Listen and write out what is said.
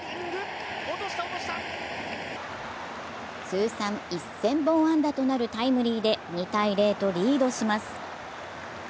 通算１０００本安打となるタイムリーで２−０とリードします。